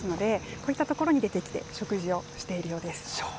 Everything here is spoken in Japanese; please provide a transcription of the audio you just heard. こういったところに出てきて食事をするようです。